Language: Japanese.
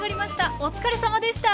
お疲れさまでした。